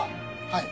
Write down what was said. はい。